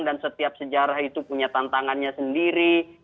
dan setiap sejarah itu punya tantangannya sendiri